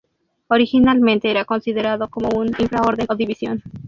Originalmente era considerado como un infraorden o división.